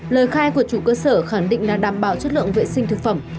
lời khai của chủ cơ sở khẳng định là đảm bảo chất lượng vệ sinh thực phẩm